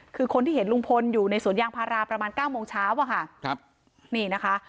คือคนที่เห็นลุงพลอยู่ในศวร์ยานพาราประมาณ๙โมงเช้า